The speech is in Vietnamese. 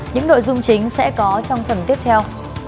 những nội dung chính sẽ có trong phần tiếp theo